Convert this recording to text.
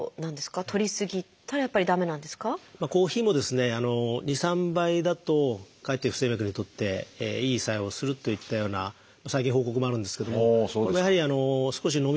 コーヒーもですね２３杯だとかえって不整脈にとっていい作用をするといったような最近報告もあるんですけどもでもやはり少し飲み過ぎるとですね